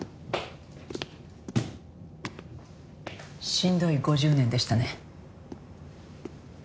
しんどい５０年でしたね。